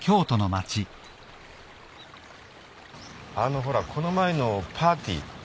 あのほらこの前のパーティー。